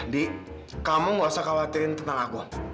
di kamu gak usah khawatirin tentang aku